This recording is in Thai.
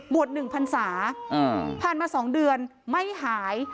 บวชหนึ่งพันศาผ่านมาสองเดือนไม่หาย